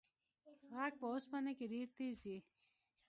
غږ په اوسپنه کې ډېر تېز ځي.